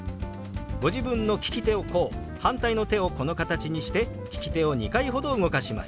ご自分の利き手をこう反対の手をこの形にして利き手を２回ほど動かします。